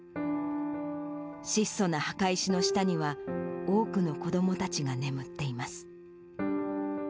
質素な墓石の下には、多くの子どもたちが眠っています。